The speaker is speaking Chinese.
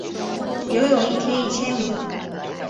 游泳一天一千米